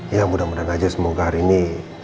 ya mudah mudahan aja semoga hari ini